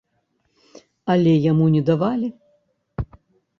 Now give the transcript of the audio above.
Але яму не давалі.